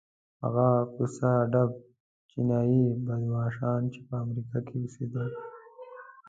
هغه کوڅه ډب جنایي بدماشان چې په امریکا کې اوسېدل.